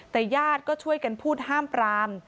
แต่ญาติก็ช่วยกันพูดห้ามปราม